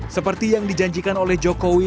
seperti yang dijanjikan oleh jokowi